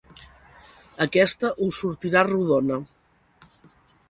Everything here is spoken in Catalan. Aquesta us sortirà rodona.